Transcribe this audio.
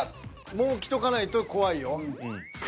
もうきとかないと怖いよ。